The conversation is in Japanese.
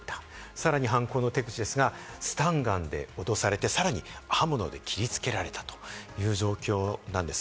さらに犯行の手口ですが、スタンガンで脅されて、さらに刃物で切りつけられたという状況なんです。